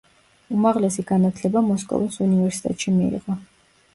უმაღლესი განათლება მოსკოვის უნივერსიტეტში მიიღო.